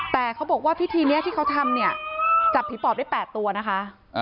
แต่เขาบอกว่าพิธีนี้ที่เขาทำเนี่ยจับผีปอบได้๘ตัวนะคะ